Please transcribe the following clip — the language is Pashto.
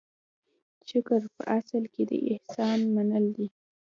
شکر په اصل کې د احسان منل دي.